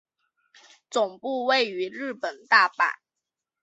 总部位于日本大阪。